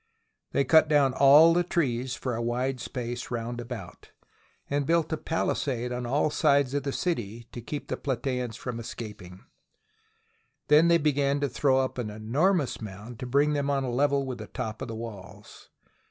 THE SIEGE OF PLAT^EA They cut down all the trees for a wide space round about, and built a palisade on all sides of the city to keep the Plataeans from escaping. Then they began to throw up an enormous mound to bring them on a level with the top of the walls.